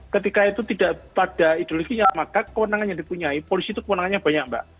ketika itu tidak pada ideologinya maka kewenangan yang dipunyai polisi itu kewenangannya banyak mbak